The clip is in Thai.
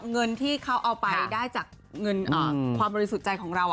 เงินที่เขาเอาไปได้จากเงินความบริสุทธิ์ใจของเรา